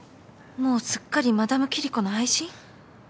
もうすっかりマダムキリコの愛人？